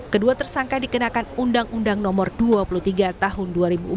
kedua tersangka dikenakan undang undang no dua puluh tiga tahun dua ribu empat